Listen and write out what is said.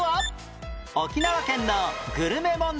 沖縄県のグルメ問題